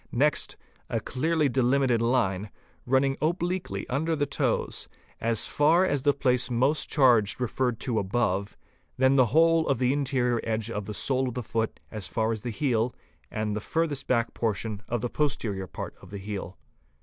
Next, a clearly delimited line, i running obliquely under the toes, as far as the place most charged referred to above, then the whole of the interior edge of the sole of the foot as far _ as the heel and the furthest back portion of the posterior part of the heel.